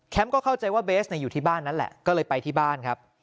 ก็เข้าใจว่าเบสอยู่ที่บ้านนั้นแหละก็เลยไปที่บ้านครับ